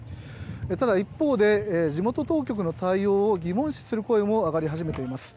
ただ一方で、地元当局の対応を疑問視する声も上がり始めています。